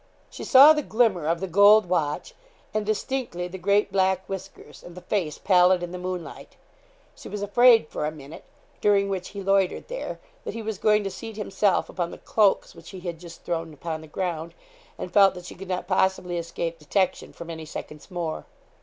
She saw the glimmer of the gold watch, and, distinctly, the great black whiskers, and the face pallid in the moonlight. She was afraid for a minute, during which he loitered there, that he was going to seat himself upon the cloaks which he had just thrown upon the ground, and felt that she could not possibly escape detection for many seconds more.